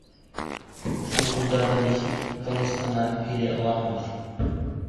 Шул юлдарҙы нисек тыныс ҡына һөйләй алаһыңдыр?